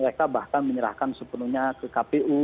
mereka bahkan menyerahkan sepenuhnya ke kpu